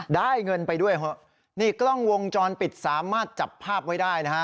ได้เงินไปด้วยเถอะนี่กล้องวงจรปิดสามารถจับภาพไว้ได้นะฮะ